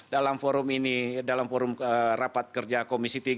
dalam forum ini dalam forum rapat kerja komisi tiga